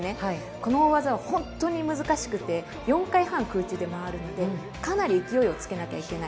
この大技は本当に難しくて４回半空中で回るのでかなり勢いをつけなければいけない。